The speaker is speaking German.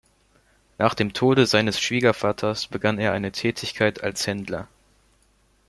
Nach dem Tode seines Schwiegervaters begann er eine Tätigkeit als Händler.